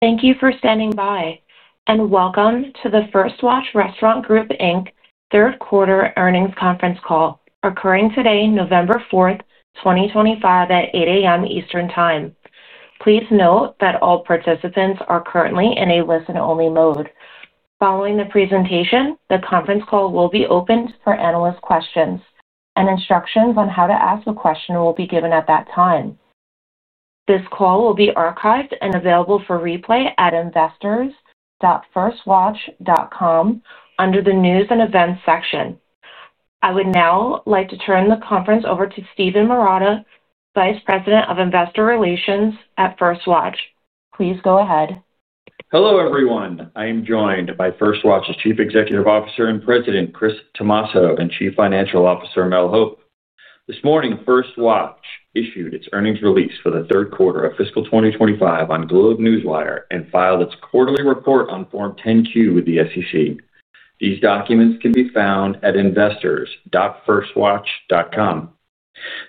Thank you for standing by, and welcome to the First Watch Restaurant Group, Inc., third quarter earnings conference call occurring today, November 4th, 2025, at 8:00 A.M. Eastern Time. Please note that all participants are currently in a listen-only mode. Following the presentation, the conference call will be open for analyst questions, and instructions on how to ask a question will be given at that time. This call will be archived and available for replay at investors.firstwatch.com under the news and events section. I would now like to turn the conference over to Steven Marotta, Vice President of Investor Relations at First Watch. Please go ahead. Hello, everyone. I am joined by First Watch's Chief Executive Officer and President, Chris Tomasso, and Chief Financial Officer, Mel Hope. This morning, First Watch issued its earnings release for the third quarter of fiscal 2025 on GlobeNewswire and filed its quarterly report on Form 10-Q with the SEC. These documents can be found at investors.firstwatch.com.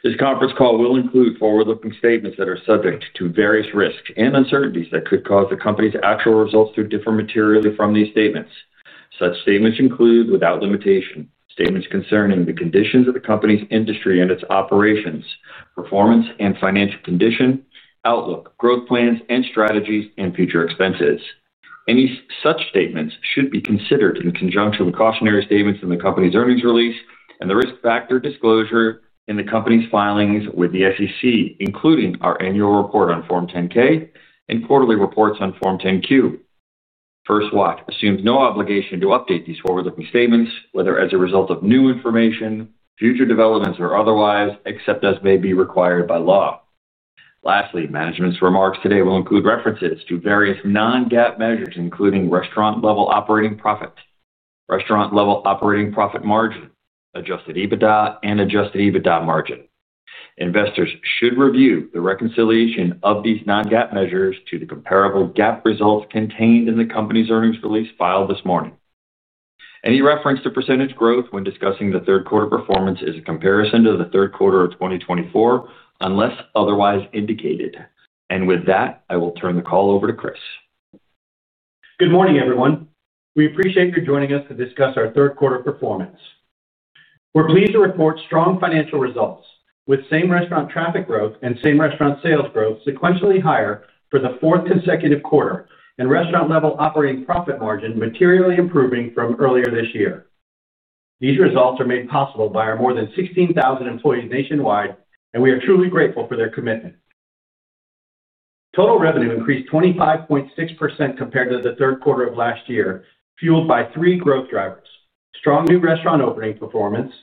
This conference call will include forward-looking statements that are subject to various risks and uncertainties that could cause the company's actual results to differ materially from these statements. Such statements include without limitation statements concerning the conditions of the company's industry and its operations, performance and financial condition, outlook, growth plans and strategies, and future expenses. Any such statements should be considered in conjunction with cautionary statements in the company's earnings release and the risk factor disclosure in the company's filings with the SEC, including our annual report on Form 10-K and quarterly reports on Form 10-Q. First Watch assumes no obligation to update these forward-looking statements, whether as a result of new information, future developments, or otherwise, except as may be required by law. Lastly, management's remarks today will include references to various non-GAAP measures, including restaurant-level operating profit, restaurant-level operating profit margin, adjusted EBITDA, and adjusted EBITDA margin. Investors should review the reconciliation of these non-GAAP measures to the comparable GAAP results contained in the company's earnings release filed this morning. Any reference to percentage growth when discussing the third quarter performance is a comparison to the third quarter of 2024 unless otherwise indicated. With that, I will turn the call over to Chris. Good morning, everyone. We appreciate your joining us to discuss our third quarter performance. We're pleased to report strong financial results with same restaurant traffic growth and same restaurant sales growth sequentially higher for the fourth consecutive quarter, and restaurant-level operating profit margin materially improving from earlier this year. These results are made possible by our more than 16,000 employees nationwide, and we are truly grateful for their commitment. Total revenue increased 25.6% compared to the third quarter of last year, fueled by three growth drivers: strong new restaurant opening performance,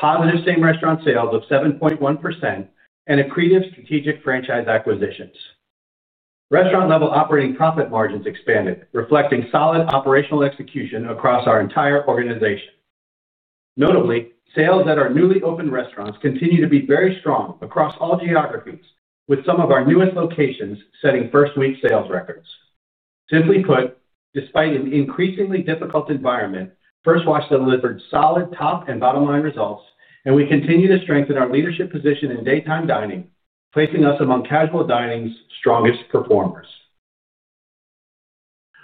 positive same restaurant sales of 7.1%, and accretive strategic franchise acquisitions. Restaurant-level operating profit margins expanded, reflecting solid operational execution across our entire organization. Notably, sales at our newly opened restaurants continue to be very strong across all geographies, with some of our newest locations setting first-week sales records. Simply put, despite an increasingly difficult environment, First Watch delivered solid top and bottom-line results, and we continue to strengthen our leadership position in daytime dining, placing us among casual dining's strongest performers.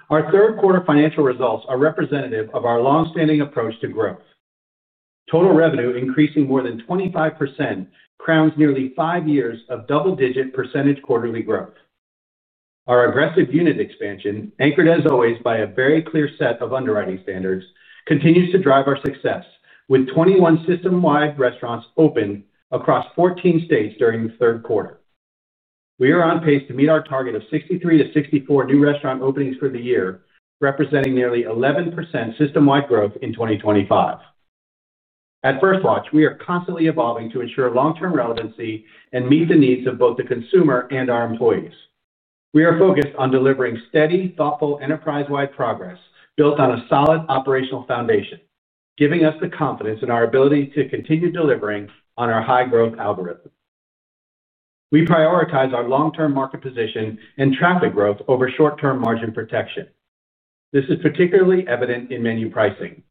Our third quarter financial results are representative of our longstanding approach to growth. Total revenue increasing more than 25% crowns nearly five years of double-digit percentage quarterly growth. Our aggressive unit expansion, anchored as always by a very clear set of underwriting standards, continues to drive our success, with 21 system-wide restaurants open across 14 states during the third quarter. We are on pace to meet our target of 63-64 new restaurant openings for the year, representing nearly 11% system-wide growth in 2025. At First Watch, we are constantly evolving to ensure long-term relevancy and meet the needs of both the consumer and our employees. We are focused on delivering steady, thoughtful enterprise-wide progress built on a solid operational foundation, giving us the confidence in our ability to continue delivering on our high-growth algorithm. We prioritize our long-term market position and traffic growth over short-term margin protection. This is particularly evident in menu pricing.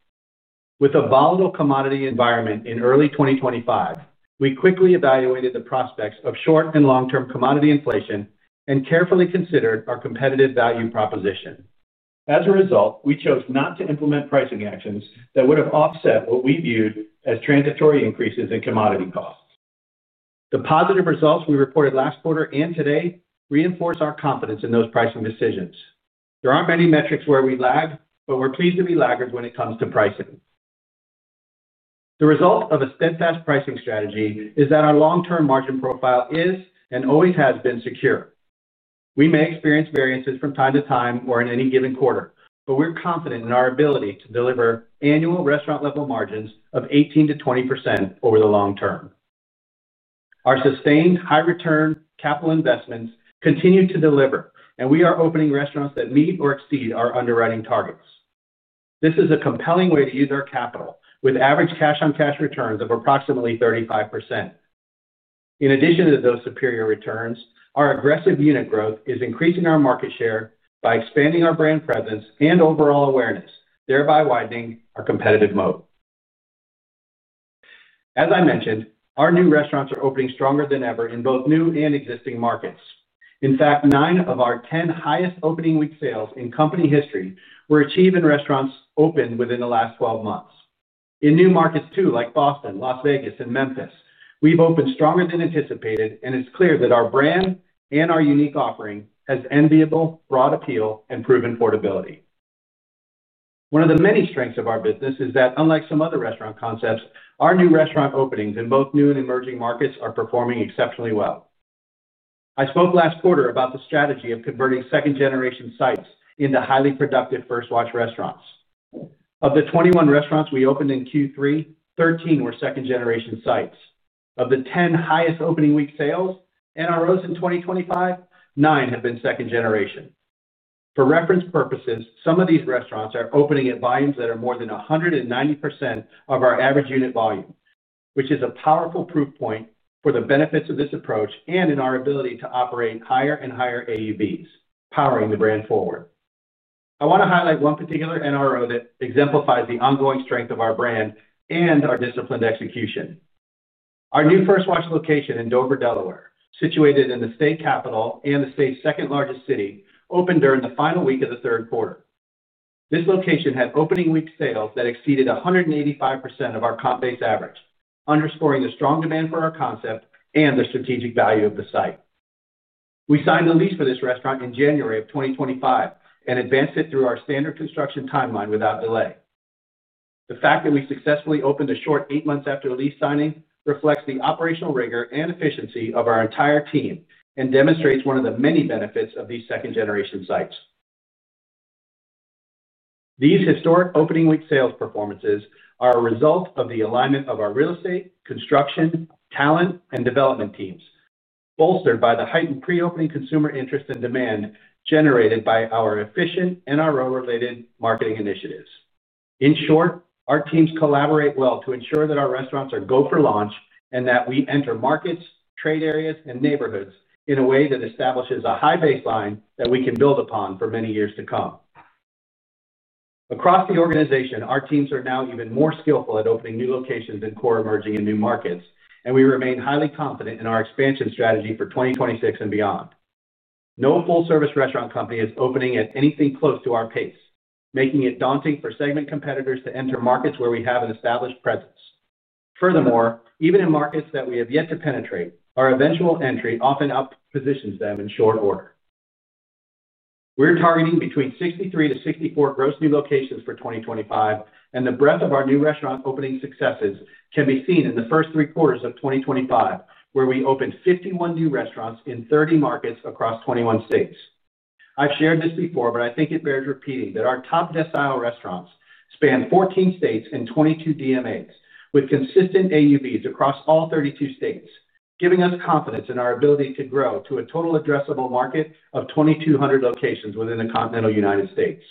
With a volatile commodity environment in early 2025, we quickly evaluated the prospects of short and long-term commodity inflation and carefully considered our competitive value proposition. As a result, we chose not to implement pricing actions that would have offset what we viewed as transitory increases in commodity costs. The positive results we reported last quarter and today reinforce our confidence in those pricing decisions. There aren't many metrics where we lag, but we're pleased to be laggard when it comes to pricing. The result of a steadfast pricing strategy is that our long-term margin profile is and always has been secure. We may experience variances from time to time or in any given quarter, but we're confident in our ability to deliver annual restaurant-level margins of 18-20% over the long term. Our sustained high-return capital investments continue to deliver, and we are opening restaurants that meet or exceed our underwriting targets. This is a compelling way to use our capital with average cash-on-cash returns of approximately 35%. In addition to those superior returns, our aggressive unit growth is increasing our market share by expanding our brand presence and overall awareness, thereby widening our competitive moat. As I mentioned, our new restaurants are opening stronger than ever in both new and existing markets. In fact, nine of our 10 highest opening week sales in company history were achieved in restaurants opened within the last 12 months. In new markets too, like Boston, Las Vegas, and Memphis, we've opened stronger than anticipated, and it's clear that our brand and our unique offering has enviable, broad appeal, and proven portability. One of the many strengths of our business is that, unlike some other restaurant concepts, our new restaurant openings in both new and emerging markets are performing exceptionally well. I spoke last quarter about the strategy of converting second-generation sites into highly productive First Watch restaurants. Of the 21 restaurants we opened in Q3, 13 were second-generation sites. Of the 10 highest opening week sales NROs in 2025, nine have been second generation. For reference purposes, some of these restaurants are opening at volumes that are more than 190% of our average unit volume, which is a powerful proof point for the benefits of this approach and in our ability to operate higher and higher AUVs, powering the brand forward. I want to highlight one particular NRO that exemplifies the ongoing strength of our brand and our disciplined execution. Our new First Watch location in Dover, Delaware, situated in the state capital and the state's second largest city, opened during the final week of the third quarter. This location had opening week sales that exceeded 185% of our comp-based average, underscoring the strong demand for our concept and the strategic value of the site. We signed the lease for this restaurant in January of 2025 and advanced it through our standard construction timeline without delay. The fact that we successfully opened a short eight months after lease signing reflects the operational rigor and efficiency of our entire team and demonstrates one of the many benefits of these second-generation sites. These historic opening week sales performances are a result of the alignment of our real estate, construction, talent, and development teams, bolstered by the heightened pre-opening consumer interest and demand generated by our efficient NRO-related marketing initiatives. In short, our teams collaborate well to ensure that our restaurants are go for launch and that we enter markets, trade areas, and neighborhoods in a way that establishes a high baseline that we can build upon for many years to come. Across the organization, our teams are now even more skillful at opening new locations and core emerging in new markets, and we remain highly confident in our expansion strategy for 2026 and beyond. No full-service restaurant company is opening at anything close to our pace, making it daunting for segment competitors to enter markets where we have an established presence. Furthermore, even in markets that we have yet to penetrate, our eventual entry often positions them in short order. We're targeting between 63-64 gross new locations for 2025, and the breadth of our new restaurant opening successes can be seen in the first three quarters of 2025, where we opened 51 new restaurants in 30 markets across 21 states. I've shared this before, but I think it bears repeating that our top-decile restaurants span 14 states and 22 DMAs with consistent AUVs across all 32 states, giving us confidence in our ability to grow to a total addressable market of 2,200 locations within the continental United States.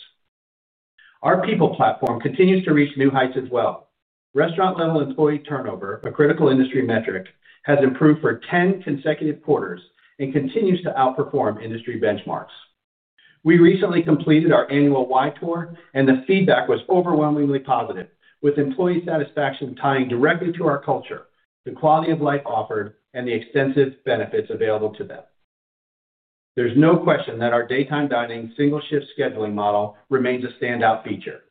Our people platform continues to reach new heights as well. Restaurant-level employee turnover, a critical industry metric, has improved for 10 consecutive quarters and continues to outperform industry benchmarks. We recently completed our annual Y tour, and the feedback was overwhelmingly positive, with employee satisfaction tying directly to our culture, the quality of life offered, and the extensive benefits available to them. There's no question that our daytime dining single-shift scheduling model remains a standout feature.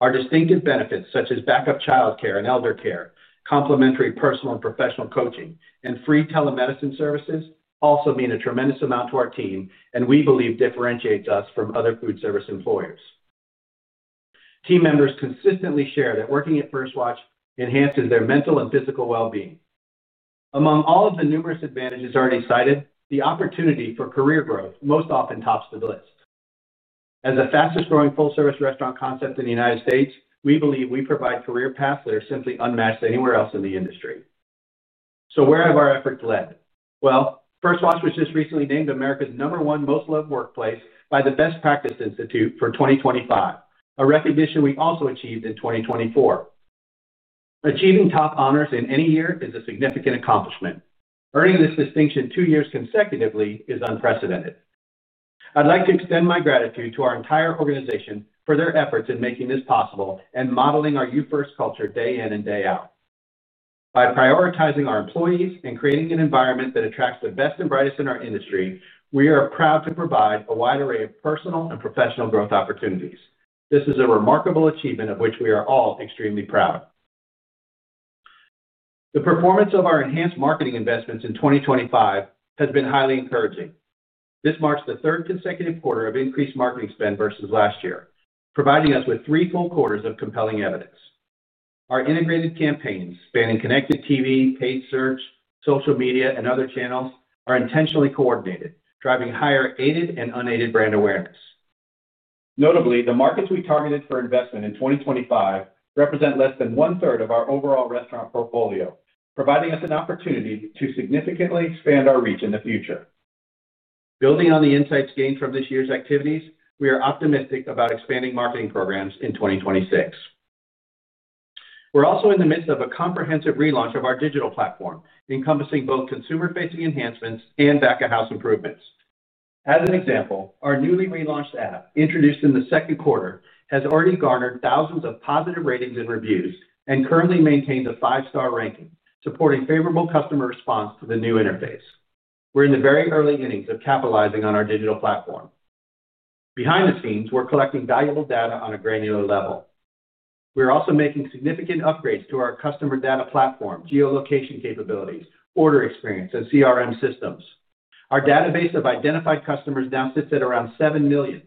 Our distinctive benefits, such as backup childcare and elder care, complimentary personal and professional coaching, and free telemedicine services, also mean a tremendous amount to our team, and we believe differentiates us from other food service employers. Team members consistently share that working at First Watch enhances their mental and physical well-being. Among all of the numerous advantages already cited, the opportunity for career growth most often tops the list. As the fastest-growing full-service restaurant concept in the United States, we believe we provide career paths that are simply unmatched anywhere else in the industry. Where have our efforts led? First Watch was just recently named America's number one most loved workplace by the Best Practice Institute for 2025, a recognition we also achieved in 2024. Achieving top honors in any year is a significant accomplishment. Earning this distinction two years consecutively is unprecedented. I'd like to extend my gratitude to our entire organization for their efforts in making this possible and modeling our You First culture day in and day out. By prioritizing our employees and creating an environment that attracts the best and brightest in our industry, we are proud to provide a wide array of personal and professional growth opportunities. This is a remarkable achievement of which we are all extremely proud. The performance of our enhanced marketing investments in 2025 has been highly encouraging. This marks the third consecutive quarter of increased marketing spend versus last year, providing us with three full quarters of compelling evidence. Our integrated campaigns spanning connected TV, paid search, social media, and other channels are intentionally coordinated, driving higher aided and unaided brand awareness. Notably, the markets we targeted for investment in 2025 represent less than one-third of our overall restaurant portfolio, providing us an opportunity to significantly expand our reach in the future. Building on the insights gained from this year's activities, we are optimistic about expanding marketing programs in 2026. We're also in the midst of a comprehensive relaunch of our digital platform, encompassing both consumer-facing enhancements and back-of-house improvements. As an example, our newly relaunched app, introduced in the second quarter, has already garnered thousands of positive ratings and reviews and currently maintains a five-star ranking, supporting favorable customer response to the new interface. We're in the very early innings of capitalizing on our digital platform. Behind the scenes, we're collecting valuable data on a granular level. We're also making significant upgrades to our customer data platform, geolocation capabilities, order experience, and CRM systems. Our database of identified customers now sits at around 7 million,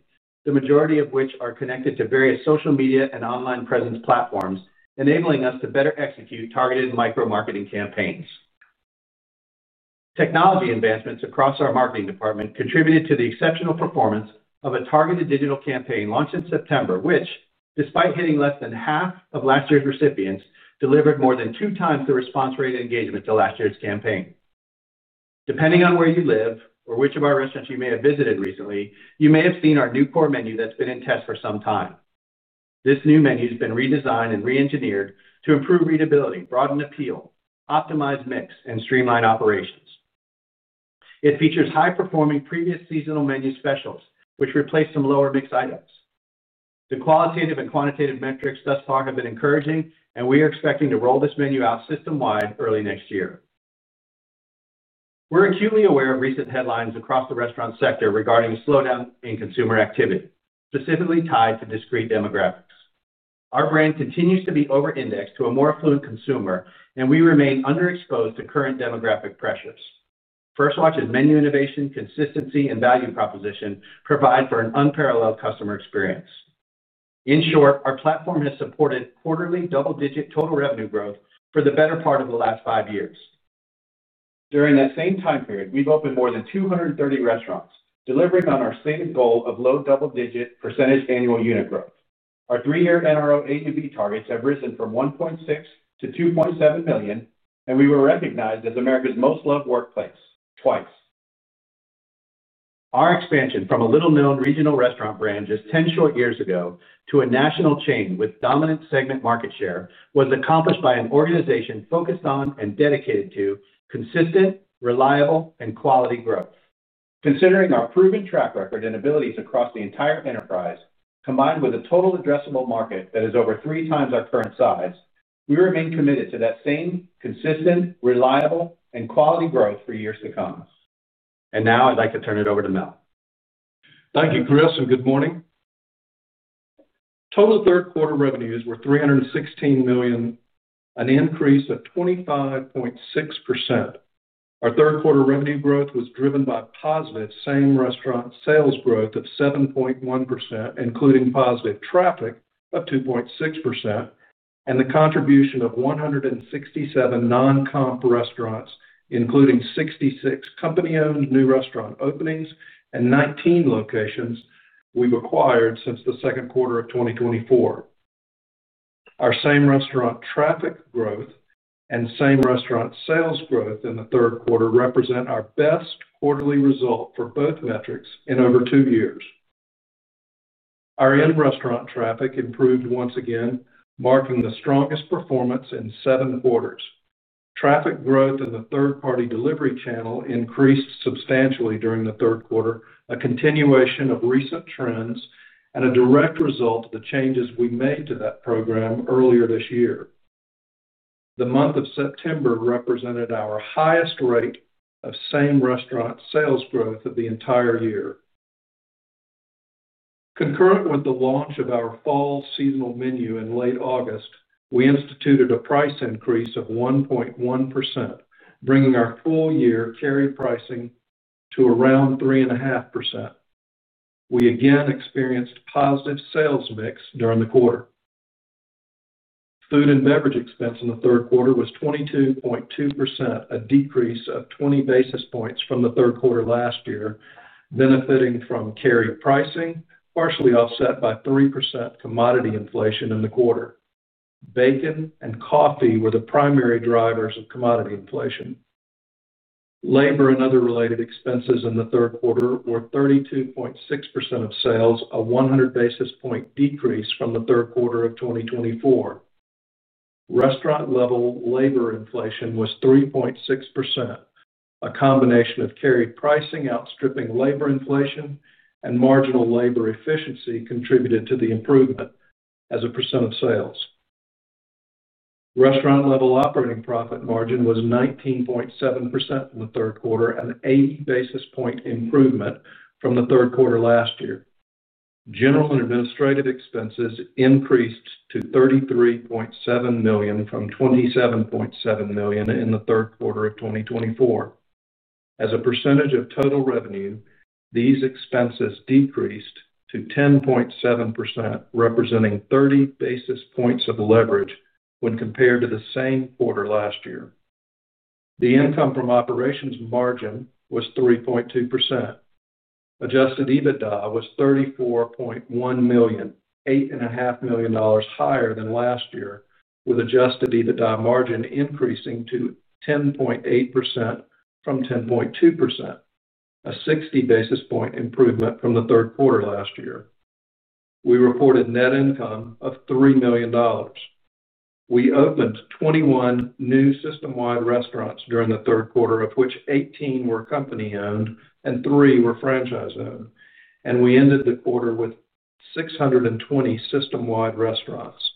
the majority of which are connected to various social media and online presence platforms, enabling us to better execute targeted micro-marketing campaigns. Technology advancements across our marketing department contributed to the exceptional performance of a targeted digital campaign launched in September, which, despite hitting less than half of last year's recipients, delivered more than two times the response rate and engagement to last year's campaign. Depending on where you live or which of our restaurants you may have visited recently, you may have seen our new core menu that's been in test for some time. This new menu has been redesigned and re-engineered to improve readability, broaden appeal, optimize mix, and streamline operations. It features high-performing previous seasonal menu specials, which replace some lower mix items. The qualitative and quantitative metrics thus far have been encouraging, and we are expecting to roll this menu out system-wide early next year. We're acutely aware of recent headlines across the restaurant sector regarding a slowdown in consumer activity, specifically tied to discrete demographics. Our brand continues to be over-indexed to a more affluent consumer, and we remain underexposed to current demographic pressures. First Watch's menu innovation, consistency, and value proposition provide for an unparalleled customer experience. In short, our platform has supported quarterly double-digit total revenue growth for the better part of the last five years. During that same time period, we've opened more than 230 restaurants, delivering on our stated goal of low double-digit percentage annual unit growth. Our three-year NRO AUV targets have risen from 1.6 to 2.7 million, and we were recognized as America's most loved workplace, twice. Our expansion from a little-known regional restaurant branch just 10 short years ago to a national chain with dominant segment market share was accomplished by an organization focused on and dedicated to consistent, reliable, and quality growth. Considering our proven track record and abilities across the entire enterprise, combined with a total addressable market that is over three times our current size, we remain committed to that same consistent, reliable, and quality growth for years to come. Now I'd like to turn it over to Mel. Thank you, Chris, and good morning. Total third-quarter revenues were $316 million, an increase of 25.6%. Our third-quarter revenue growth was driven by positive same-restaurant sales growth of 7.1%, including positive traffic of 2.6%, and the contribution of 167 non-comp restaurants, including 66 company-owned new restaurant openings and 19 locations we've acquired since the second quarter of 2024. Our same-restaurant traffic growth and same-restaurant sales growth in the third quarter represent our best quarterly result for both metrics in over two years. Our end-restaurant traffic improved once again, marking the strongest performance in seven quarters. Traffic growth in the third-party delivery channel increased substantially during the third quarter, a continuation of recent trends and a direct result of the changes we made to that program earlier this year. The month of September represented our highest rate of same-restaurant sales growth of the entire year. Concurrent with the launch of our fall seasonal menu in late August, we instituted a price increase of 1.1%, bringing our full-year carry pricing to around 3.5%. We again experienced positive sales mix during the quarter. Food and beverage expense in the third quarter was 22.2%, a decrease of 20 basis points from the third quarter last year, benefiting from carry pricing, partially offset by 3% commodity inflation in the quarter. Bacon and coffee were the primary drivers of commodity inflation. Labor and other related expenses in the third quarter were 32.6% of sales, a 100 basis point decrease from the third quarter of 2024. Restaurant-level labor inflation was 3.6%. A combination of carry pricing outstripping labor inflation and marginal labor efficiency contributed to the improvement as a percent of sales. Restaurant-level operating profit margin was 19.7% in the third quarter, an 80 basis point improvement from the third quarter last year. General and administrative expenses increased to $33.7 million from $27.7 million in the third quarter of 2024. As a percentage of total revenue, these expenses decreased to 10.7%, representing 30 basis points of leverage when compared to the same quarter last year. The income from operations margin was 3.2%. Adjusted EBITDA was $34.1 million, $8.5 million higher than last year, with adjusted EBITDA margin increasing to 10.8% from 10.2%. A 60 basis point improvement from the third quarter last year. We reported net income of $3 million. We opened 21 new system-wide restaurants during the third quarter, of which 18 were company-owned and three were franchise-owned, and we ended the quarter with 620 system-wide restaurants.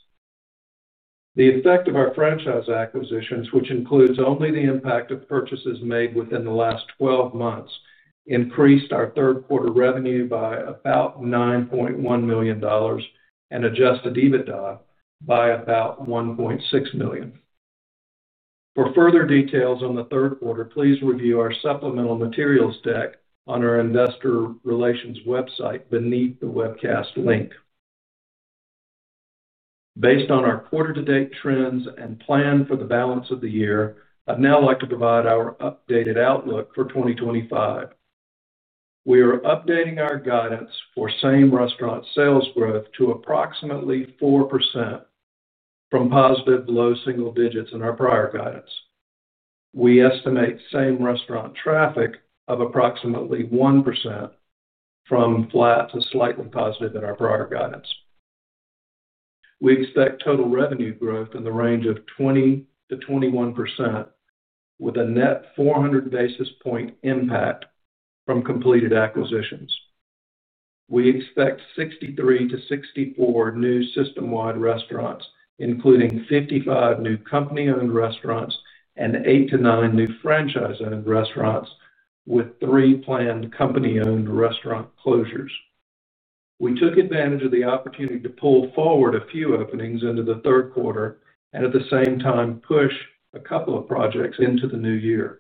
The effect of our franchise acquisitions, which includes only the impact of purchases made within the last 12 months, increased our third-quarter revenue by about $9.1 million and adjusted EBITDA by about $1.6 million. For further details on the third quarter, please review our supplemental materials deck on our investor relations website beneath the webcast link. Based on our quarter-to-date trends and plan for the balance of the year, I'd now like to provide our updated outlook for 2025. We are updating our guidance for same-restaurant sales growth to approximately 4%. From positive low single digits in our prior guidance. We estimate same-restaurant traffic of approximately 1%. From flat to slightly positive in our prior guidance. We expect total revenue growth in the range of 20-21%, with a net 400 basis point impact from completed acquisitions. We expect 63-64 new system-wide restaurants, including 55 new company-owned restaurants and 8-9 new franchise-owned restaurants, with three planned company-owned restaurant closures. We took advantage of the opportunity to pull forward a few openings into the third quarter and at the same time push a couple of projects into the new year.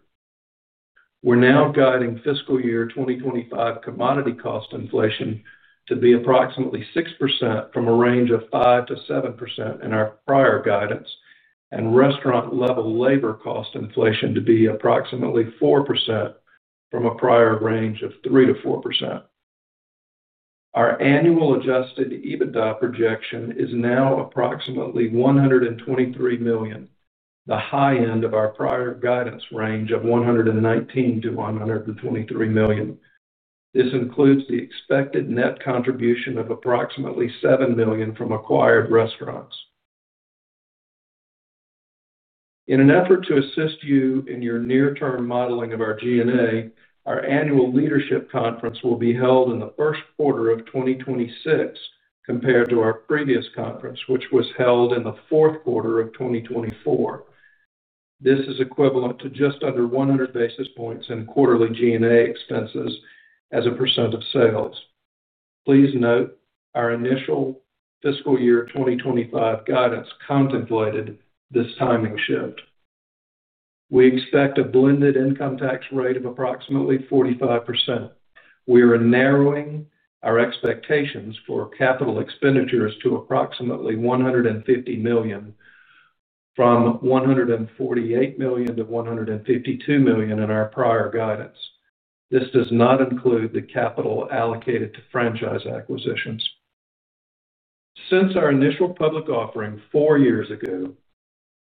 We're now guiding fiscal year 2025 commodity cost inflation to be approximately 6%, from a range of 5-7% in our prior guidance, and restaurant-level labor cost inflation to be approximately 4%, from a prior range of 3-4%. Our annual adjusted EBITDA projection is now approximately $123 million, the high end of our prior guidance range of $119-$123 million. This includes the expected net contribution of approximately $7 million from acquired restaurants. In an effort to assist you in your near-term modeling of our G&A, our annual leadership conference will be held in the first quarter of 2026 compared to our previous conference, which was held in the fourth quarter of 2024. This is equivalent to just under 100 basis points in quarterly G&A expenses as a percent of sales. Please note our initial fiscal year 2025 guidance contemplated this timing shift. We expect a blended income tax rate of approximately 45%. We are narrowing our expectations for capital expenditures to approximately $150 million, from $148 million-$152 million in our prior guidance. This does not include the capital allocated to franchise acquisitions. Since our initial public offering four years ago,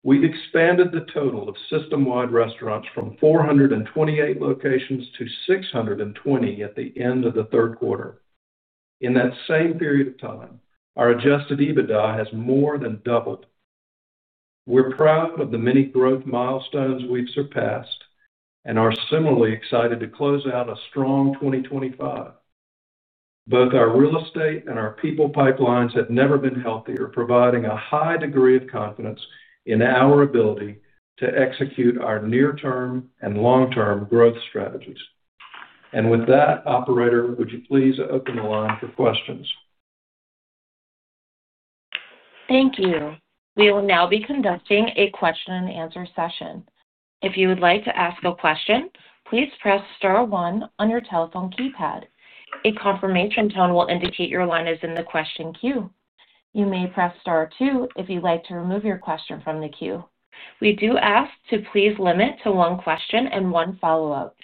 we've expanded the total of system-wide restaurants from 428 locations to 620 at the end of the third quarter. In that same period of time, our adjusted EBITDA has more than doubled. We're proud of the many growth milestones we've surpassed and are similarly excited to close out a strong 2025. Both our real estate and our people pipelines have never been healthier, providing a high degree of confidence in our ability to execute our near-term and long-term growth strategies. With that, Operator, would you please open the line for questions? Thank you. We will now be conducting a question-and-answer session. If you would like to ask a question, please press star one on your telephone keypad. A confirmation tone will indicate your line is in the question queue. You may press star two if you'd like to remove your question from the queue. We do ask to please limit to one question and one follow-up.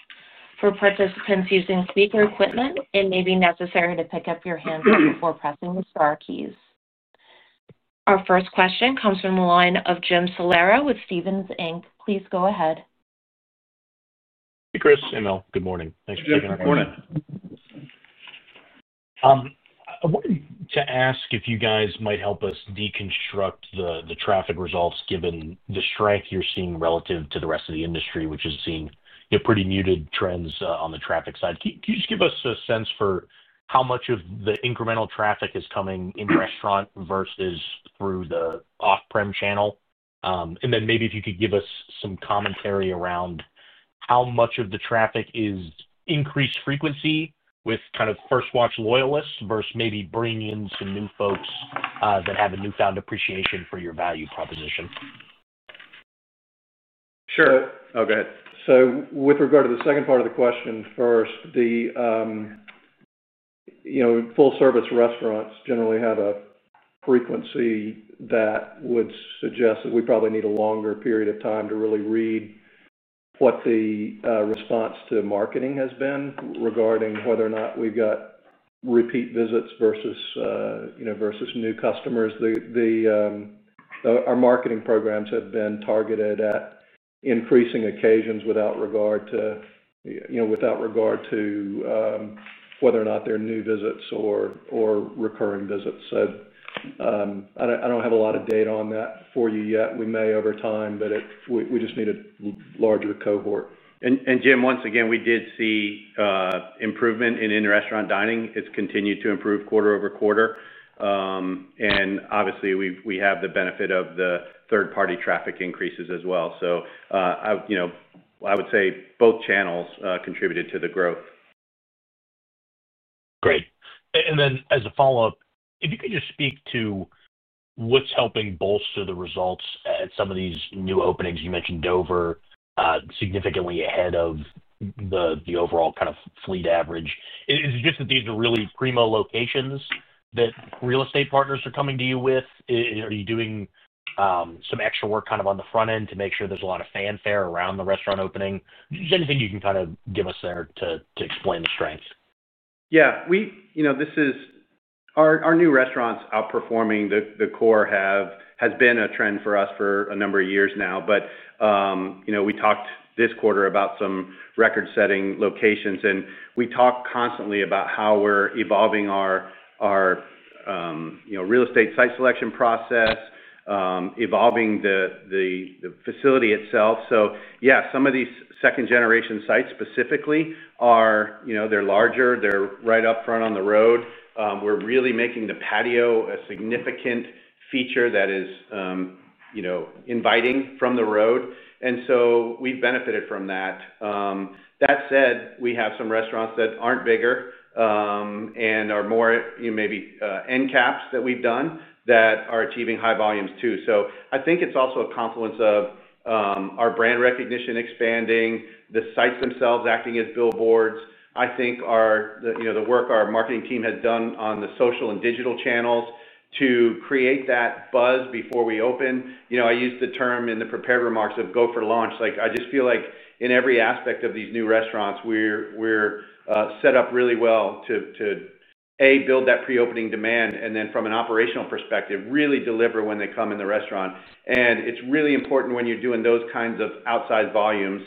For participants using speaker equipment, it may be necessary to pick up your hands before pressing the star keys. Our first question comes from the line of Jim Salera with Stephens Inc. Please go ahead. Hey, Chris and Mel. Good morning. Thanks for taking our time. Good morning. I wanted to ask if you guys might help us deconstruct the traffic results given the strength you're seeing relative to the rest of the industry, which is seeing pretty muted trends on the traffic side. Can you just give us a sense for how much of the incremental traffic is coming in restaurant versus through the off-prem channel? And then maybe if you could give us some commentary around how much of the traffic is increased frequency with kind of First Watch loyalists versus maybe bringing in some new folks that have a newfound appreciation for your value proposition? Sure. Oh, go ahead. With regard to the second part of the question first, full-service restaurants generally have a frequency that would suggest that we probably need a longer period of time to really read what the response to marketing has been regarding whether or not we've got repeat visits versus new customers. Our marketing programs have been targeted at increasing occasions without regard to whether or not they're new visits or recurring visits. I don't have a lot of data on that for you yet. We may over time, but we just need a larger cohort. And Jim, once again, we did see improvement in restaurant dining. It's continued to improve quarter over quarter. Obviously, we have the benefit of the third-party traffic increases as well. I would say both channels contributed to the growth. Great. As a follow-up, if you could just speak to what's helping bolster the results at some of these new openings. You mentioned Dover, significantly ahead of the overall kind of fleet average. Is it just that these are really primo locations that real estate partners are coming to you with? Are you doing some extra work kind of on the front end to make sure there's a lot of fanfare around the restaurant opening? Just anything you can kind of give us there to explain the strength? Yeah. This is our new restaurants outperforming the core has been a trend for us for a number of years now. We talked this quarter about some record-setting locations, and we talk constantly about how we're evolving our real estate site selection process, evolving the facility itself. Some of these second-generation sites specifically, they're larger, they're right up front on the road. We're really making the patio a significant feature that is inviting from the road, and we've benefited from that. That said, we have some restaurants that aren't bigger and are more maybe end caps that we've done that are achieving high volumes too. I think it's also a confluence of our brand recognition expanding, the sites themselves acting as billboards. I think the work our marketing team has done on the social and digital channels to create that buzz before we open. I used the term in the prepared remarks of go for launch. I just feel like in every aspect of these new restaurants, we're set up really well to, A, build that pre-opening demand, and then from an operational perspective, really deliver when they come in the restaurant. It's really important when you're doing those kinds of outside volumes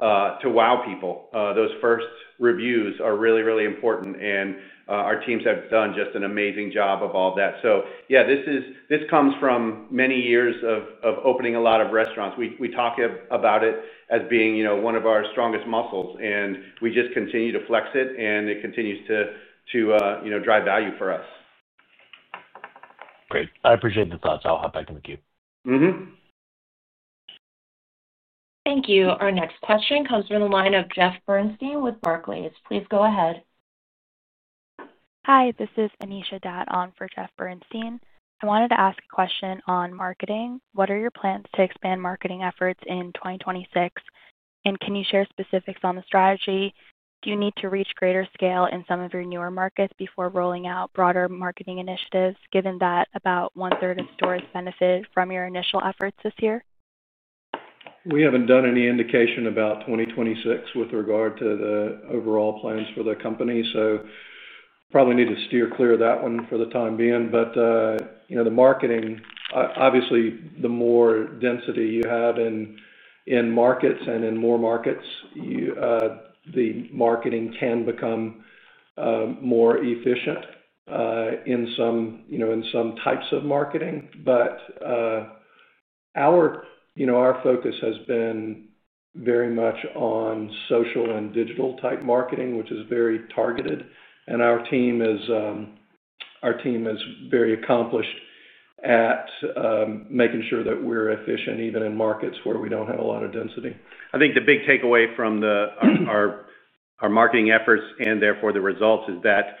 to wow people. Those first reviews are really, really important, and our teams have done just an amazing job of all that. Yeah, this comes from many years of opening a lot of restaurants. We talk about it as being one of our strongest muscles, and we just continue to flex it, and it continues to drive value for us. Great. I appreciate the thoughts. I'll hop back in the queue. Thank you. Our next question comes from the line of Jeff Bernstein with Barclays. Please go ahead. Hi, this is Anisha Datt for Jeff Bernstein. I wanted to ask a question on marketing. What are your plans to expand marketing efforts in 2026? Can you share specifics on the strategy? Do you need to reach greater scale in some of your newer markets before rolling out broader marketing initiatives, given that about one-third of stores benefited from your initial efforts this year? We haven't done any indication about 2026 with regard to the overall plans for the company, so probably need to steer clear of that one for the time being. The marketing, obviously, the more density you have in markets and in more markets, the marketing can become more efficient in some types of marketing. Our focus has been very much on social and digital-type marketing, which is very targeted. Our team is very accomplished at making sure that we're efficient even in markets where we don't have a lot of density. I think the big takeaway from our marketing efforts and therefore the results is that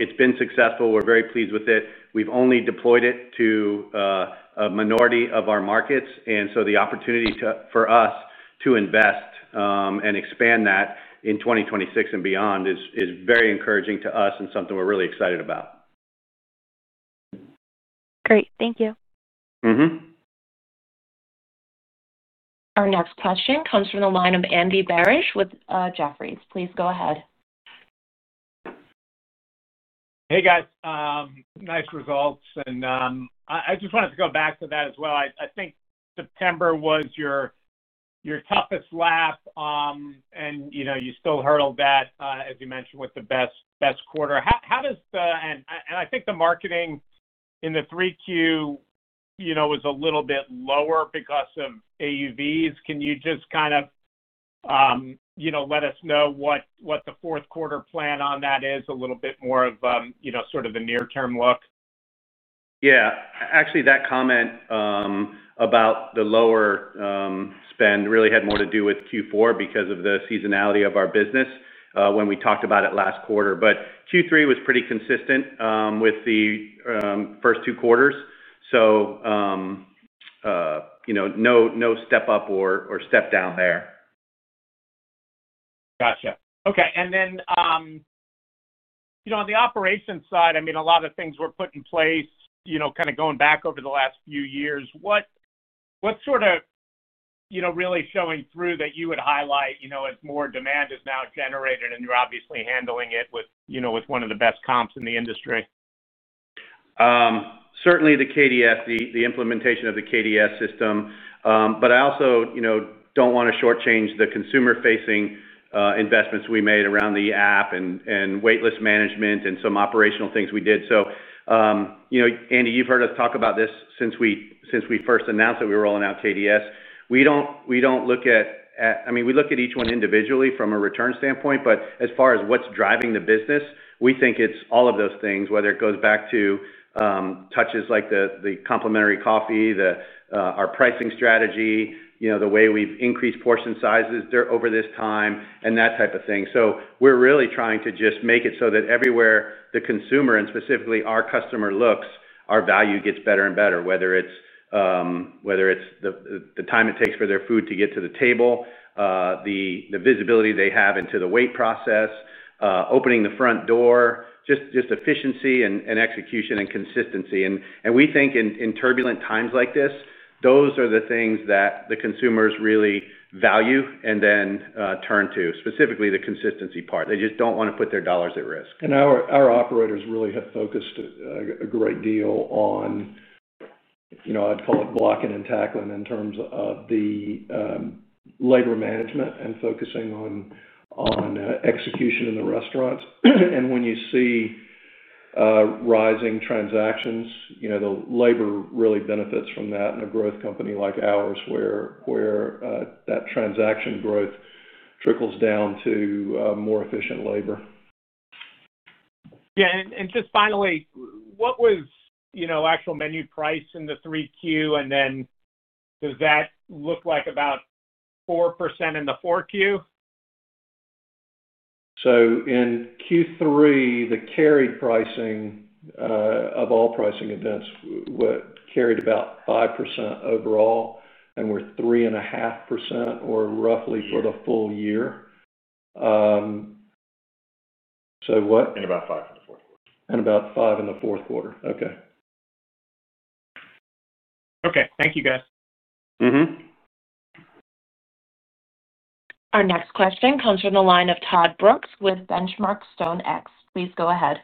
it's been successful. We're very pleased with it. We've only deployed it to a minority of our markets, and so the opportunity for us to invest and expand that in 2026 and beyond is very encouraging to us and something we're really excited about. Great. Thank you. Our next question comes from the line of Andy Barish with Jefferies. Please go ahead. Hey, guys. Nice results. I just wanted to go back to that as well. I think September was your toughest lap, and you still hurdled that, as you mentioned, with the best quarter. How does the, I think the marketing in the Q3 was a little bit lower because of AUVs. Can you just kind of let us know what the fourth-quarter plan on that is, a little bit more of sort of the near-term look? Yeah. Actually, that comment about the lower spend really had more to do with Q4 because of the seasonality of our business when we talked about it last quarter. Q3 was pretty consistent with the first two quarters, so no step-up or step-down there. Gotcha. Okay. On the operations side, I mean, a lot of things were put in place kind of going back over the last few years. What is really showing through that you would highlight as more demand is now generated, and you're obviously handling it with one of the best comps in the industry? Certainly the KDS, the implementation of the KDS system. I also do not want to shortchange the consumer-facing investments we made around the app and waitlist management and some operational things we did. Andy, you have heard us talk about this since we first announced that we were rolling out KDS. We do not look at, I mean, we look at each one individually from a return standpoint. As far as what is driving the business, we think it is all of those things, whether it goes back to touches like the complimentary coffee, our pricing strategy, the way we have increased portion sizes over this time, and that type of thing. We are really trying to just make it so that everywhere the consumer, and specifically our customer, looks, our value gets better and better, whether it is the time it takes for their food to get to the table, the visibility they have into the wait process, opening the front door, just efficiency and execution and consistency. We think in turbulent times like this, those are the things that the consumers really value and then turn to, specifically the consistency part. They just do not want to put their dollars at risk. Our operators really have focused a great deal on, I would call it blocking and tackling in terms of the labor management and focusing on execution in the restaurants. When you see rising transactions, the labor really benefits from that in a growth company like ours where that transaction growth trickles down to more efficient labor. Yeah. Just finally, what was actual menu price in the Q3? Does that look like about 4% in the four-queue? In Q3, the carry pricing of all pricing events carried about 5% overall, and we are 3.5% or roughly for the full year. So what? And about five in the fourth quarter. And about five in the fourth quarter. Okay. Thank you, guys. Our next question comes from the line of Todd Brooks with Benchmark StoneX. Please go ahead.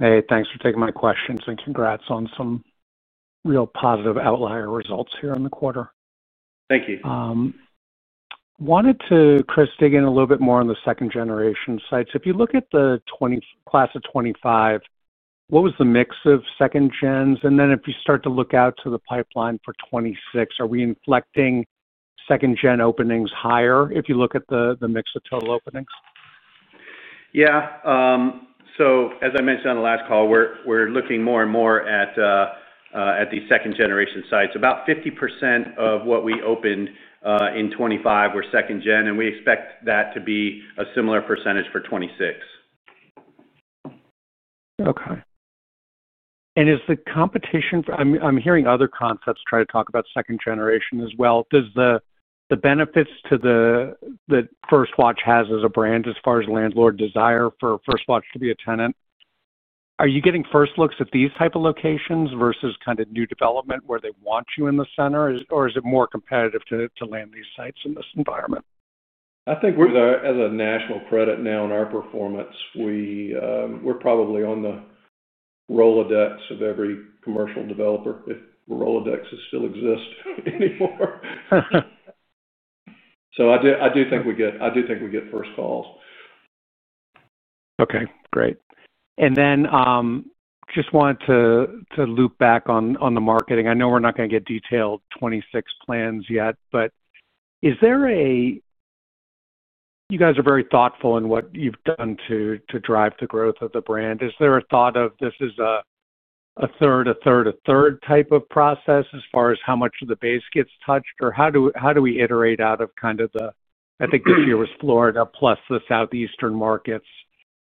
Hey, thanks for taking my questions and congrats on some real positive outlier results here in the quarter. Thank you. Wanted to, Chris, dig in a little bit more on the second-generation sites. If you look at the class of 2025, what was the mix of second-gen? If you start to look out to the pipeline for 2026, are we inflecting second-gen openings higher if you look at the mix of total openings? Yeah. As I mentioned on the last call, we are looking more and more at the second-generation sites. About 50% of what we opened in 2025 were second-gen, and we expect that to be a similar percentage for 2026. Okay. Is the competition, I'm hearing other concepts try to talk about second-generation as well. The benefits to the First Watch has as a brand as far as landlord desire for First Watch to be a tenant? Are you getting first looks at these type of locations versus kind of new development where they want you in the center? Or is it more competitive to land these sites in this environment? I think as a national credit now in our performance, we're probably on the Rolodex of every commercial developer if Rolodex still exists anymore. I do think we get—I do think we get first calls. Okay. Great. Just wanted to loop back on the marketing. I know we're not going to get detailed 2026 plans yet, but is there a, you guys are very thoughtful in what you've done to drive the growth of the brand. Is there a thought of this is a third, a third, a third type of process as far as how much of the base gets touched? Or how do we iterate out of kind of the, think this year was Florida plus the southeastern markets.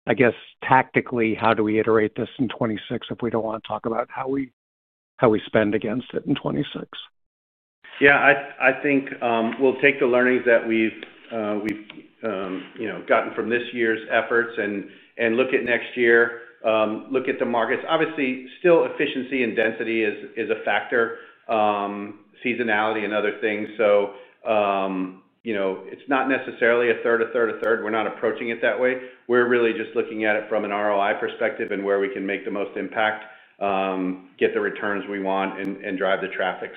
I guess tactically, how do we iterate this in 2026 if we do not want to talk about how we spend against it in 2026? Yeah. I think we'll take the learnings that we've gotten from this year's efforts and look at next year, look at the markets. Obviously, still efficiency and density is a factor. Seasonality and other things. It's not necessarily a third, a third, a third. We're not approaching it that way. We're really just looking at it from an ROI perspective and where we can make the most impact, get the returns we want, and drive the traffic.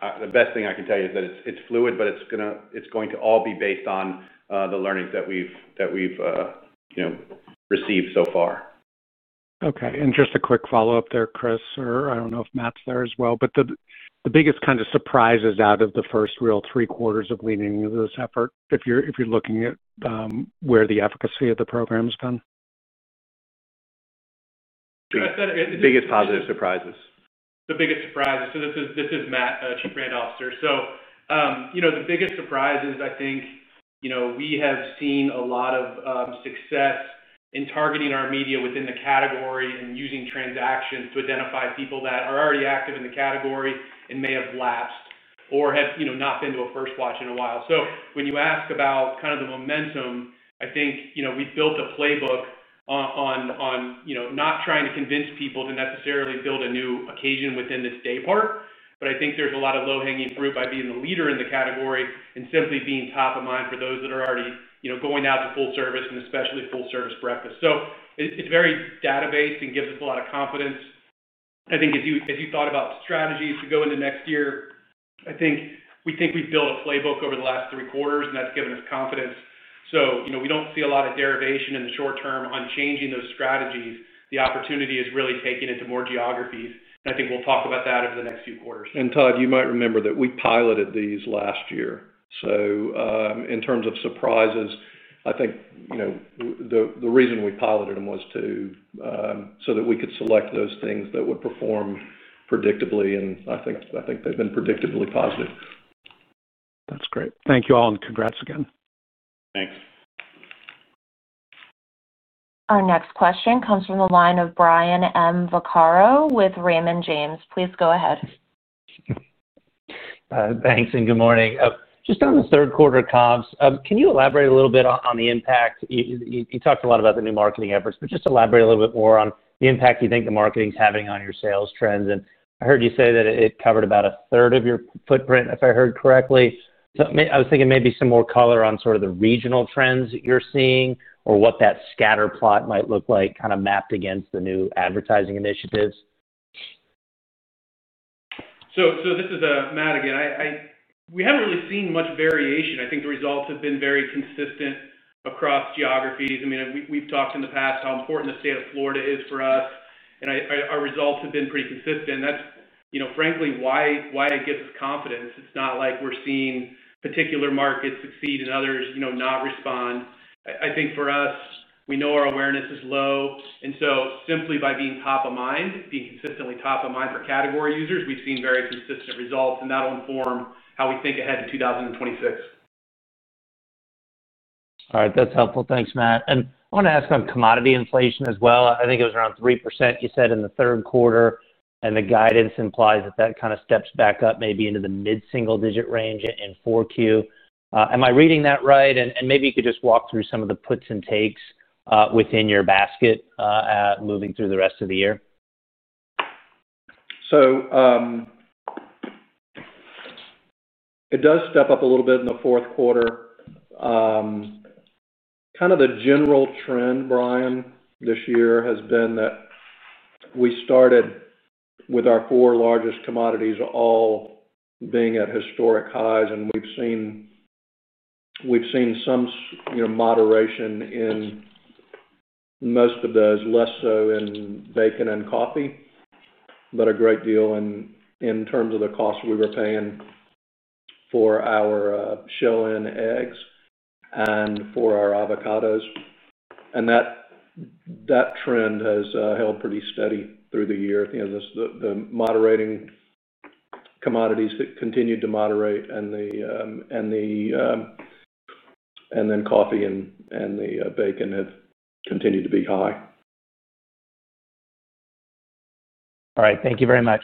The best thing I can tell you is that it's fluid, but it's going to all be based on the learnings that we've received so far. Okay. Just a quick follow-up there, Chris, or I do not know if Matt's there as well, but the biggest kind of surprises out of the first real three quarters of leading this effort, if you're looking at where the efficacy of the program has been? The biggest surprises. This is Matt, Chief Brand Officer. The biggest surprise is I think we have seen a lot of success in targeting our media within the category and using transactions to identify people that are already active in the category and may have lapsed or have not been to a First Watch in a while. When you ask about kind of the momentum, I think we've built a playbook on not trying to convince people to necessarily build a new occasion within its day part. But I think there's a lot of low-hanging fruit by being the leader in the category and simply being top of mind for those that are already going out to full service and especially full-service breakfast. So it's very database and gives us a lot of confidence. I think as you thought about strategies to go into next year, I think we think we've built a playbook over the last three quarters, and that's given us confidence. We don't see a lot of derivation in the short term on changing those strategies. The opportunity is really taking it to more geographies. I think we'll talk about that over the next few quarters. Todd, you might remember that we piloted these last year. In terms of surprises, I think the reason we piloted them was so that we could select those things that would perform predictably, and I think they've been predictably positive. That's great. Thank you all, and congrats again. Thanks. Our next question comes from the line of Brian M. Vaccaro with Raymond James. Please go ahead. Thanks, and good morning. Just on the third-quarter comps, can you elaborate a little bit on the impact? You talked a lot about the new marketing efforts, but just elaborate a little bit more on the impact you think the marketing is having on your sales trends. I heard you say that it covered about a third of your footprint, if I heard correctly. I was thinking maybe some more color on sort of the regional trends you're seeing or what that scatter plot might look like kind of mapped against the new advertising initiatives? This is Matt again. We haven't really seen much variation. I think the results have been very consistent across geographies. I mean, we've talked in the past how important the state of Florida is for us, and our results have been pretty consistent. That's, frankly, why it gives us confidence. It's not like we're seeing particular markets succeed and others not respond. I think for us, we know our awareness is low. Simply by being top of mind, being consistently top of mind for category users, we've seen very consistent results, and that'll inform how we think ahead to 2026. All right. That's helpful. Thanks, Matt. I want to ask on commodity inflation as well. I think it was around 3%, you said, in the third quarter. The guidance implies that that kind of steps back up maybe into the mid-single-digit range in fourth quarter. Am I reading that right? Maybe you could just walk through some of the puts and takes within your basket. Moving through the rest of the year? It does step up a little bit in the fourth quarter. Kind of the general trend, Brian, this year has been that we started with our four largest commodities all being at historic highs, and we've seen some moderation in. Most of those, less so in bacon and coffee, but a great deal in terms of the cost we were paying for our shell and eggs and for our avocados. That trend has held pretty steady through the year. The moderating commodities that continued to moderate, and then coffee and the bacon have continued to be high. All right. Thank you very much.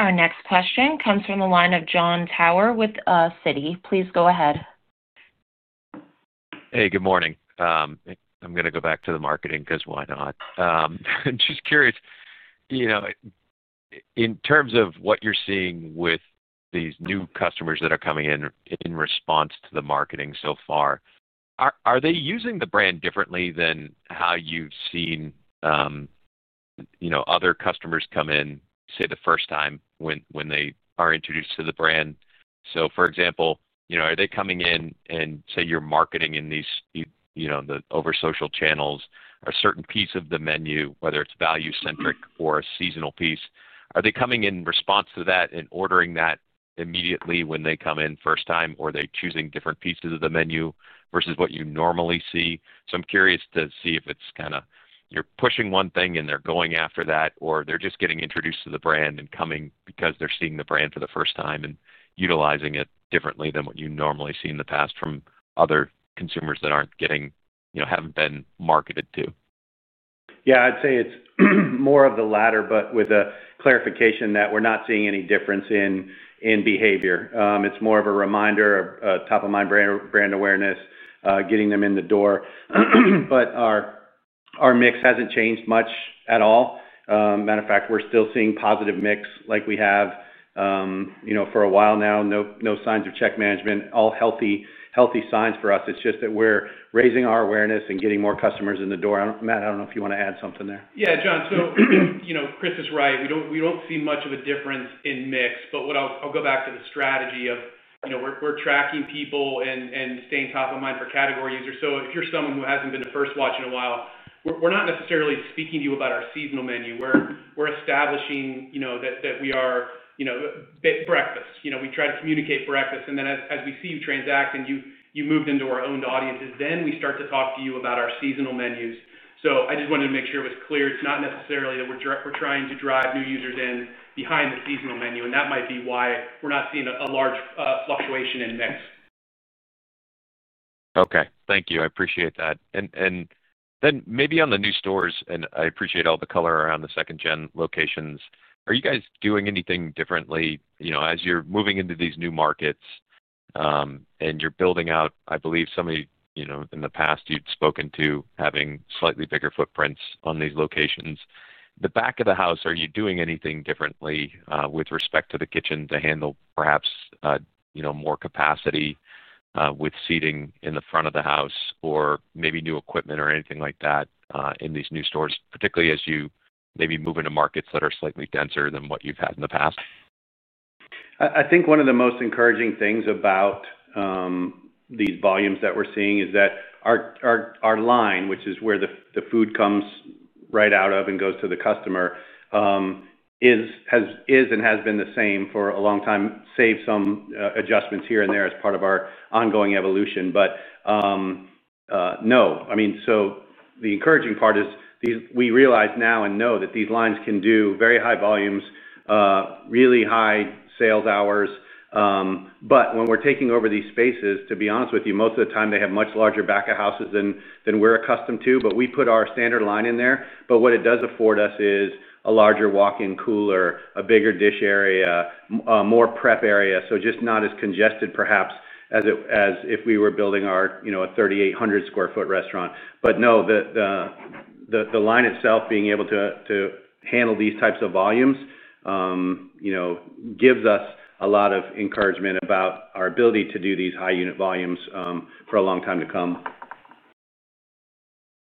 Our next question comes from the line of Jon Tower with Citi. Please go ahead. Hey, good morning. I'm going to go back to the marketing because why not? I'm just curious, in terms of what you're seeing with these new customers that are coming in in response to the marketing so far, are they using the brand differently than how you've seen other customers come in, say, the first time when they are introduced to the brand? For example, are they coming in and say you're marketing in these over-social channels, a certain piece of the menu, whether it's value-centric or a seasonal piece, are they coming in response to that and ordering that immediately when they come in first time, or are they choosing different pieces of the menu versus what you normally see? I'm curious to see if it's kind of you're pushing one thing and they're going after that, or they're just getting introduced to the brand and coming because they're seeing the brand for the first time and utilizing it differently than what you normally see in the past from other consumers that haven't been marketed to. Yeah. I'd say it's more of the latter, but with a clarification that we're not seeing any difference in behavior. It's more of a reminder, a top-of-mind brand awareness, getting them in the door. Our mix hasn't changed much at all. Matter of fact, we're still seeing positive mix like we have for a while now, no signs of check management. All healthy signs for us. It's just that we're raising our awareness and getting more customers in the door. Matt, I don't know if you want to add something there. Yeah. Jon, Chris is right. We don't see much of a difference in mix, but I'll go back to the strategy of we're tracking people and staying top of mind for category users. If you're someone who hasn't been to First Watch in a while, we're not necessarily speaking to you about our seasonal menu. We're establishing that we are breakfast. We try to communicate breakfast. As we see you transact and you move into our owned audiences, then we start to talk to you about our seasonal menus. I just wanted to make sure it was clear. It's not necessarily that we're trying to drive new users in behind the seasonal menu, and that might be why we're not seeing a large fluctuation in mix. Okay. Thank you. I appreciate that. Maybe on the new stores, and I appreciate all the color around the second-gen locations, are you guys doing anything differently as you're moving into these new markets. You're building out, I believe, some of the in the past you'd spoken to having slightly bigger footprints on these locations. The back of the house, are you doing anything differently with respect to the kitchen to handle perhaps more capacity with seating in the front of the house or maybe new equipment or anything like that in these new stores, particularly as you maybe move into markets that are slightly denser than what you've had in the past? I think one of the most encouraging things about these volumes that we're seeing is that our line, which is where the food comes right out of and goes to the customer, is and has been the same for a long time, save some adjustments here and there as part of our ongoing evolution. No, I mean, the encouraging part is we realize now and know that these lines can do very high volumes, really high sales hours. When we're taking over these spaces, to be honest with you, most of the time they have much larger back-of-houses than we're accustomed to, but we put our standard line in there. What it does afford us is a larger walk-in cooler, a bigger dish area, more prep area, so just not as congested perhaps as if we were building a 3,800 sq ft restaurant. No, the line itself being able to handle these types of volumes gives us a lot of encouragement about our ability to do these high-unit volumes for a long time to come.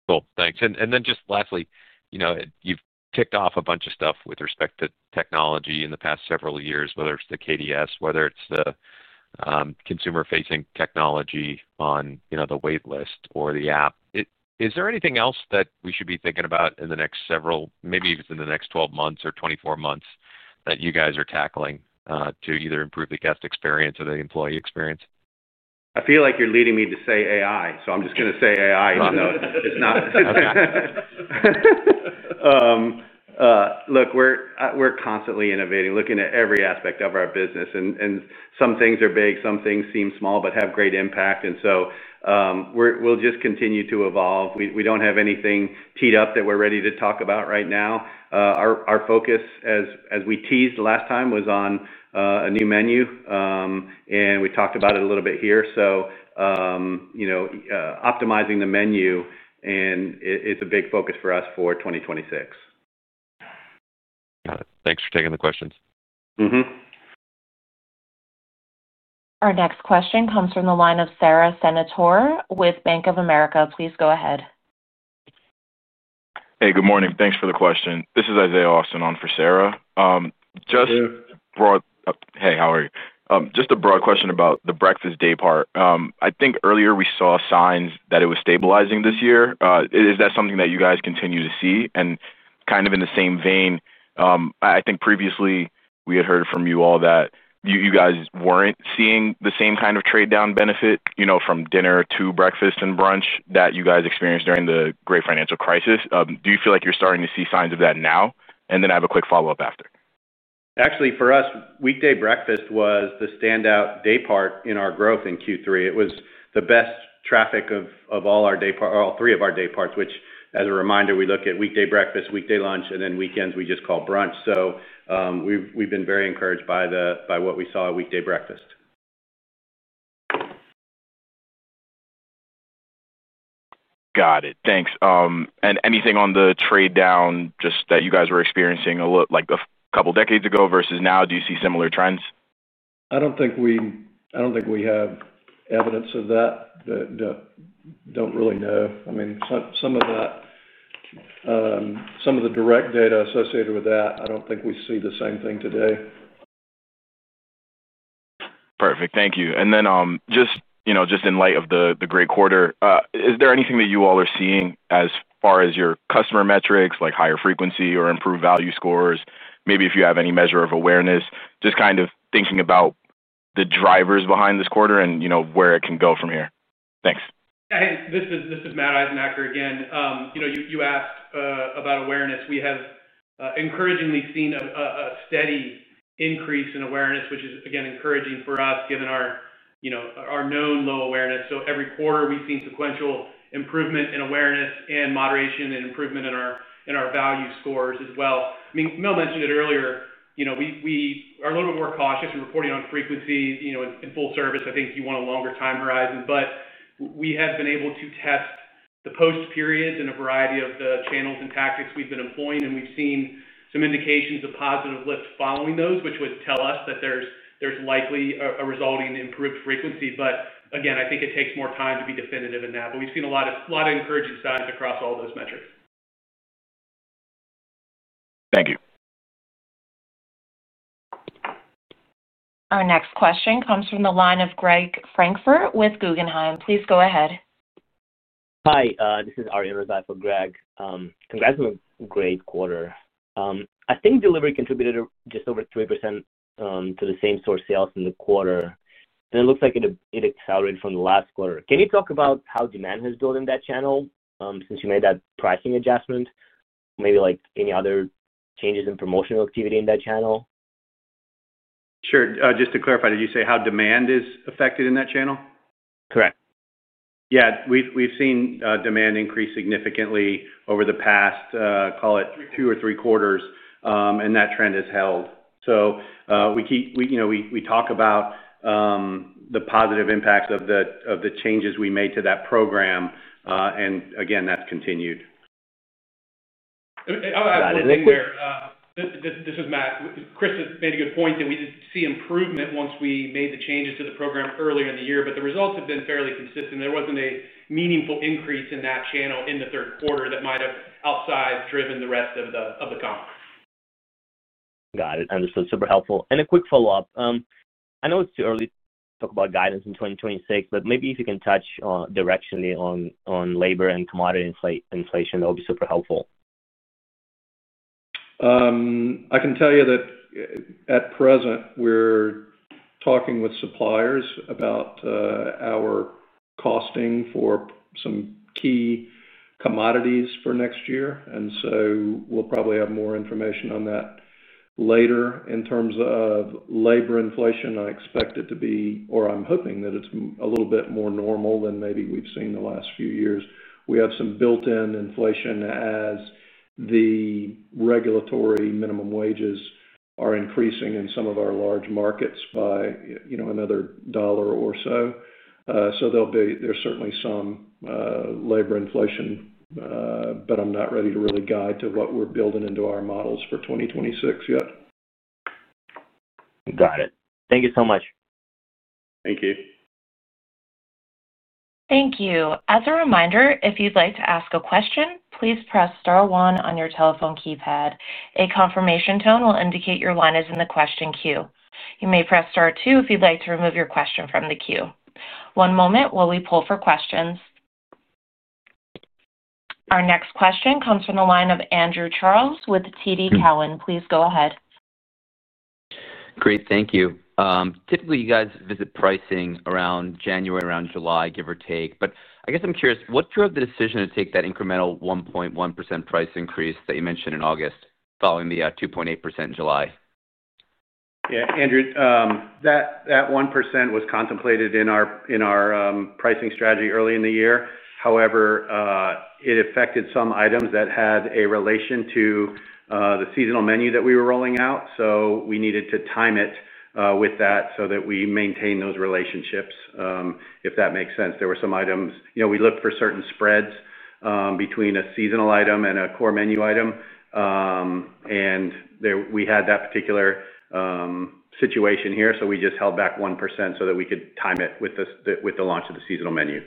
Cool. Thanks. Lastly, you've ticked off a bunch of stuff with respect to technology in the past several years, whether it's the KDS, whether it's the consumer-facing technology on the waitlist or the app. Is there anything else that we should be thinking about in the next several, maybe even in the next 12 months or 24 months that you guys are tackling to either improve the guest experience or the employee experience? I feel like you're leading me to say AI, so I'm just going to say AI in the note. It's not. Look, we're constantly innovating, looking at every aspect of our business. Some things are big, some things seem small, but have great impact. We'll just continue to evolve. We don't have anything teed up that we're ready to talk about right now. Our focus, as we teased last time, was on a new menu. We talked about it a little bit here. Optimizing the menu, and it's a big focus for us for 2026. Got it. Thanks for taking the questions. Our next question comes from the line of Sara Senatore with Bank of America. Please go ahead. Hey, good morning. Thanks for the question. This is Isaiah Austin on for Sara. Just. Hey, how are you? Just a broad question about the breakfast day part. I think earlier we saw signs that it was stabilizing this year. Is that something that you guys continue to see? And kind of in the same vein, I think previously we had heard from you all that you guys weren't seeing the same kind of trade-down benefit from dinner to breakfast and brunch that you guys experienced during the great financial crisis. Do you feel like you're starting to see signs of that now? And then I have a quick follow-up after. Actually, for us, weekday breakfast was the standout day part in our growth in Q3. It was the best traffic of all our day part, all three of our day parts, which, as a reminder, we look at weekday breakfast, weekday lunch, and then weekends we just call brunch. So we've been very encouraged by what we saw at weekday breakfast. Got it. Thanks. And anything on the trade-down just that you guys were experiencing a couple of decades ago versus now? Do you see similar trends? I don't think we have evidence of that. Don't really know. I mean, some of the. Direct data associated with that, I don't think we see the same thing today. Perfect. Thank you. And then just. In light of the great quarter, is there anything that you all are seeing as far as your customer metrics, like higher frequency or improved value scores, maybe if you have any measure of awareness, just kind of thinking about the drivers behind this quarter and where it can go from here? Thanks. Hey, this is Matt Eisenacher again. You asked about awareness. We have encouragingly seen a steady increase in awareness, which is, again, encouraging for us given our. Known low awareness. Every quarter, we've seen sequential improvement in awareness and moderation and improvement in our value scores as well. I mean, Mel mentioned it earlier. We are a little bit more cautious in reporting on frequency in full service. I think you want a longer time horizon. But we have been able to test the post periods in a variety of the channels and tactics we've been employing, and we've seen some indications of positive lift following those, which would tell us that there's likely a resulting improved frequency. Again, I think it takes more time to be definitive in that. But we've seen a lot of encouraging signs across all those metrics. Thank you. Our next question comes from the line of Greg Francfort with Guggenheim. Please go ahead. Hi, this is Arian Razai for Greg. Congrats on a great quarter. I think delivery contributed just over 3% to the same source sales in the quarter. And it looks like it accelerated from the last quarter. Can you talk about how demand has built in that channel since you made that pricing adjustment? Maybe any other changes in promotional activity in that channel? Sure. Just to clarify, did you say how demand is affected in that channel? Correct. Yeah. We've seen demand increase significantly over the past, call it two or three quarters, and that trend has held. We talk about the positive impacts of the changes we made to that program, and again, that's continued. I'll add something there. This is Matt. Chris made a good point that we did see improvement once we made the changes to the program earlier in the year, but the results have been fairly consistent. There wasn't a meaningful increase in that channel in the third quarter that might have outside driven the rest of the conference. Got it. Understood. Super helpful. And a quick follow-up. I know it's too early to talk about guidance in 2026, but maybe if you can touch directionally on labor and commodity inflation, that would be super helpful. I can tell you that at present, we're talking with suppliers about our costing for some key commodities for next year, and we'll probably have more information on that later. In terms of labor inflation, I expect it to be, or I'm hoping that it's a little bit more normal than maybe we've seen the last few years. We have some built-in inflation as the regulatory minimum wages are increasing in some of our large markets by another dollar or so. So there's certainly some labor inflation, but I'm not ready to really guide to what we're building into our models for 2026 yet. Got it. Thank you so much. Thank you. Thank you. As a reminder, if you'd like to ask a question, please press star one on your telephone keypad. A confirmation tone will indicate your line is in the question queue. You may press star two if you'd like to remove your question from the queue. One moment while we pull for questions. Our next question comes from the line of Andrew Charles with TD Cowen. Please go ahead. Great. Thank you. Typically, you guys visit pricing around January, around July, give or take. I guess I'm curious, what drove the decision to take that incremental 1.1% price increase that you mentioned in August following the 2.8% in July? Yeah. Andrew, that 1% was contemplated in our pricing strategy early in the year. However, it affected some items that had a relation to the seasonal menu that we were rolling out, so we needed to time it with that so that we maintain those relationships, if that makes sense. There were some items we looked for certain spreads between a seasonal item and a core menu item, and we had that particular situation here, so we just held back 1% so that we could time it with the launch of the seasonal menu.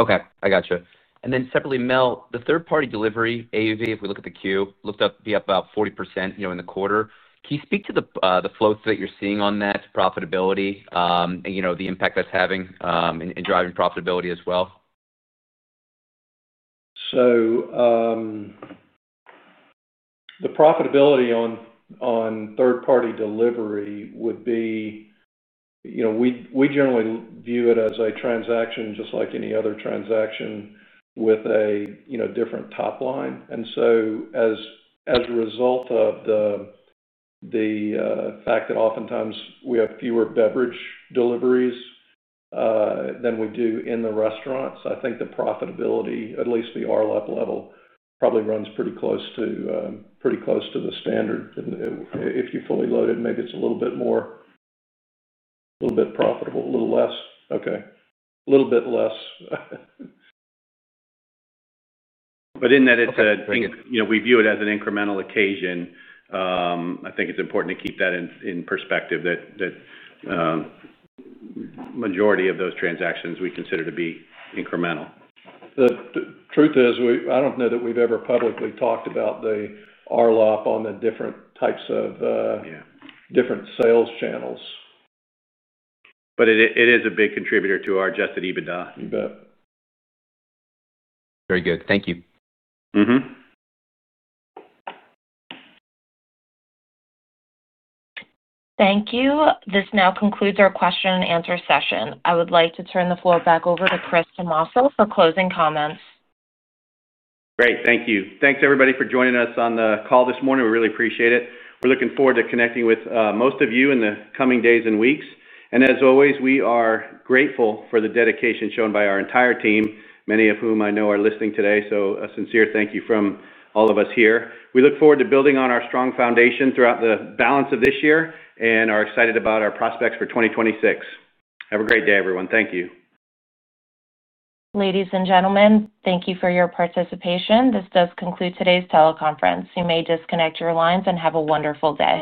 Okay. I gotcha. Then separately, Mel, the third-party delivery, AUV, if we look at the queue, looked up to be up about 40% in the quarter. Can you speak to the flows that you're seeing on that, profitability, the impact that's having in driving profitability as well? The profitability on third-party delivery would be, we generally view it as a transaction just like any other transaction with a different top line. As a result of the fact that oftentimes we have fewer beverage deliveries than we do in the restaurants, I think the profitability, at least the R-level, probably runs pretty close to the standard. If you fully load it, maybe it's a little bit more, a little bit profitable, a little less. Okay, a little bit less. In that, we view it as an incremental occasion. I think it's important to keep that in perspective, that the majority of those transactions we consider to be incremental. The truth is, I do not know that we've ever publicly talked about the RLOP on the different types of different sales channels. It is a big contributor to our Adjusted EBITDA. Very good. Thank you. Thank you. This now concludes our question-and-answer session. I would like to turn the floor back over to Chris Tomasso for closing comments. Great. Thank you. Thanks, everybody, for joining us on the call this morning. We really appreciate it. We are looking forward to connecting with most of you in the coming days and weeks. As always, we are grateful for the dedication shown by our entire team, many of whom I know are listening today. A sincere thank you from all of us here. We look forward to building on our strong foundation throughout the balance of this year and are excited about our prospects for 2026. Have a great day, everyone. Thank you. Ladies and gentlemen, thank you for your participation. This does conclude today's teleconference. You may disconnect your lines and have a wonderful day.